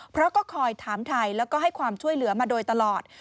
เพราะก็คอยถามไทยแล้วก็ให้ความช่วยเหลือมาโดยตลอด